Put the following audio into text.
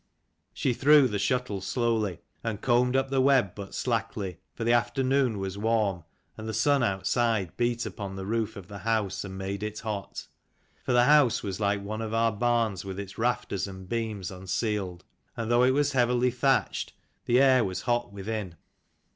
She threw the shuttle slowly, and combed up the web but slackly, for the afternoon was warm, and the sun outside beat upon the roof of the house and made it hot. For the house was like one of our barns with its rafters and beams unceiled : and though it was heavily thatched, the air was hot within.